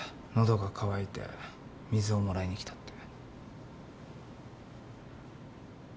喉が渇いて水をもらいに来たって。